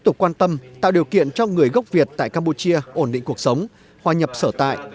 tục quan tâm tạo điều kiện cho người gốc việt tại campuchia ổn định cuộc sống hòa nhập sở tại